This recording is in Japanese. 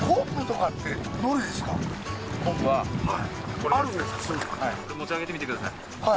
これ持ち上げてみてください。